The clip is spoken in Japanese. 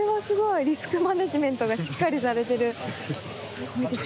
⁉すごいですね。